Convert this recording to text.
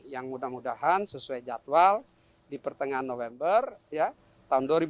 yang mudah mudahan sesuai jadwal di pertengahan november tahun dua ribu dua puluh tiga sudah berfungsi komersial